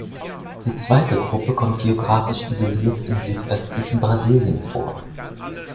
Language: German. Die zweite Gruppe kommt geographisch isoliert im südöstlichen Brasilien vor.